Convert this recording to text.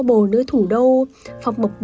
dãn đổi góc